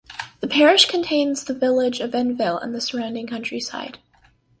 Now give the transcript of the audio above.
The parish contains the village of Enville and the surrounding countryside.